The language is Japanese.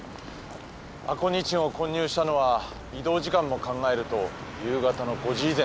アコニチンを混入したのは移動時間も考えると夕方の５時以前ということになる。